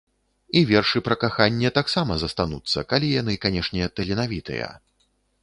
І вершы пра каханне таксама застануцца, калі яны, канешне, таленавітыя.